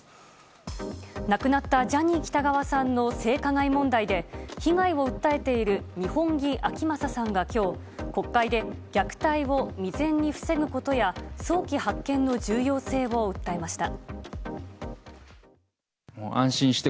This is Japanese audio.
亡くなったジャニー喜多川さんの被害を訴えている二本樹顕理さんが、今日国会で虐待を未然に防ぐことや早期発見の重要性を訴えました。